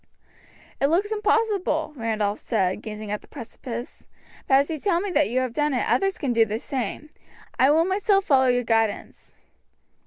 "It looks impossible," Randolph said, gazing at the precipice; "but as you tell me that you have done it others can do the same. I will myself follow your guidance."